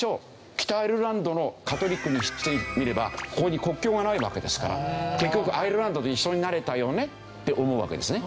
北アイルランドのカトリックにしてみればここに国境がないわけですから結局アイルランドと一緒になれたよねって思うわけですね。